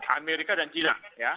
amerika dan china